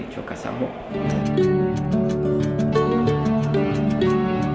cho cả xã hội